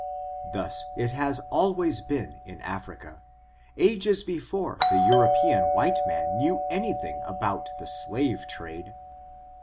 Thus it has always been in Africa, ages before the European white man knew any thing about the slave trade.